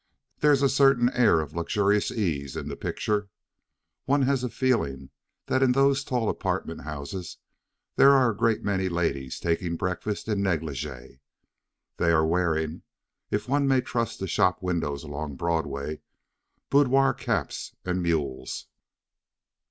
There is a certain air of luxurious ease in the picture. One has a feeling that in those tall apartment houses there are a great many ladies taking breakfast in negligée. They are wearing (if one may trust the shop windows along Broadway) boudoir caps and mules.